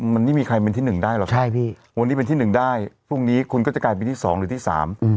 มันไม่มีใครเป็นที่หนึ่งได้หรอกใช่พี่วันนี้เป็นที่หนึ่งได้พรุ่งนี้คุณก็จะกลายเป็นที่สองหรือที่สาม